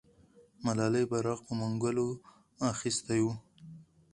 ملالۍ بیرغ په منګولو اخیستی وو.